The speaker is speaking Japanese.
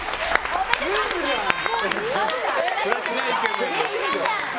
おめでとうございます！